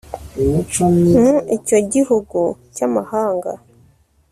mu icyo gihugu cy'amahanga